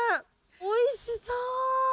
おいしそう！